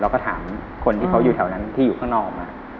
เราก็ถามคนที่เขาอยู่แถวนั้นที่อยู่ข้างนอก